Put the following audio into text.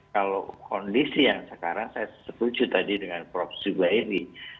kalau kondisi yang sekarang saya setuju tadi dengan prof zubairi